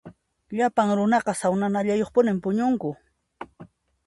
Llapan runaqa sawnanallayuqpuni puñunku.